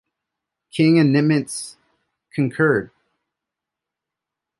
King and Nimitz concurred.